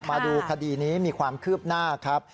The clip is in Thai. มาดูคดีนี้มีความคืบหน้าครับ